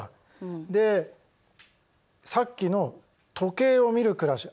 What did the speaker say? でさっきの時計を見る暮らし